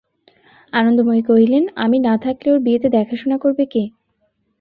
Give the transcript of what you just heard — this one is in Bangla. আনন্দময়ী কহিলেন, আমি না থাকলে ওর বিয়েতে দেখাশুনা করবে কে?